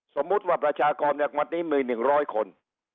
สมมุติว่าประชากรในวัดนี้มี๑๐๐คน